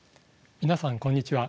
皆さんこんにちは。